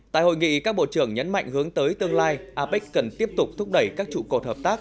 tại hội nghị các bộ trưởng nhấn mạnh hướng tới tương lai apec cần tiếp tục thúc đẩy các trụ cột hợp tác